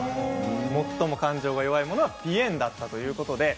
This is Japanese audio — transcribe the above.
最も感情が弱いものはぴえんだったということです。